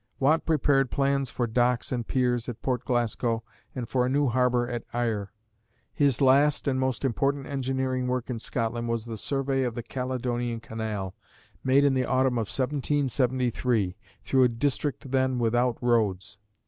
Watt prepared plans for docks and piers at Port Glasgow and for a new harbor at Ayr. His last and most important engineering work in Scotland was the survey of the Caledonian Canal, made in the autumn of 1773, through a district then without roads.